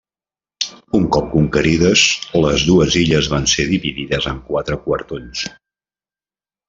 Un cop conquerides, les dues illes van ser dividides en quatre quartons.